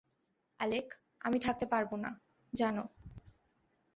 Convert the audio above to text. Alec আমি থাকতে পারবোনা, জানো।